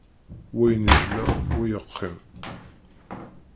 Wa yennejla, wa yeqqim.